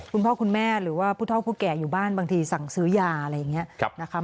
คุณพ่อคุณแม่หรือว่าผู้เท่าผู้แก่อยู่บ้านบางทีสั่งซื้อยาอะไรอย่างนี้นะคะ